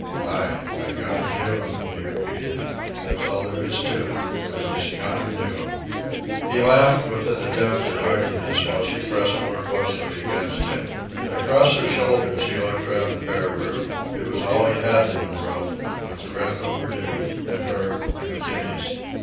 "Ay, I gotter do 'im," he repeated. "That's all there is to it. I jus' gotter do 'im." He laughed with an attempt at heartiness, while she pressed more closely against him. Across her shoulders he looked around the bare room. It was all he had in the world, with the rent overdue, and her and the kiddies.